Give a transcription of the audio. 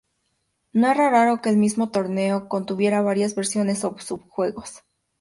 No era raro que el mismo Torneo contuviera varias versiones o sub-juegos.